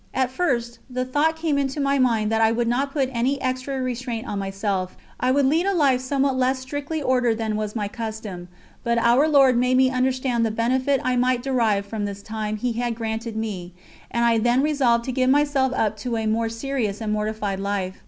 At first the thought came into my mind that I would not put any extra restraint on myself, I would lead a life somewhat less strictly ordered than was my custom. But Our Lord made me understand the benefit I might derive from this time He had granted me, and I then resolved to give myself up to a more serious and mortified life.